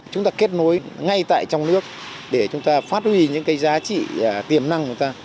chúng ta kết nối ngay tại trong nước để chúng ta phát huy những cái giá trị tiềm năng của ta